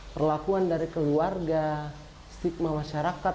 perlakuan dari keluarga stigma masyarakat